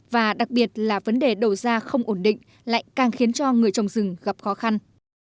và đặc biệt là vấn đề đầu ra không ổn định lại càng khiến cho người trồng rừng gặp khó khăn